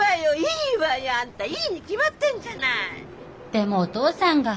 でもお父さんが。